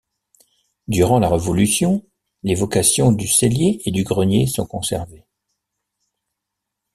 Durant la Révolution les vocations du cellier et du grenier sont conservés.